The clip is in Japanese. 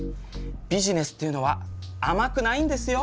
ビジネスっていうのは甘くないんですよ。